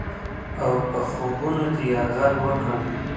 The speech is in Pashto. اوپه خوبونو دې یرغل وکړم؟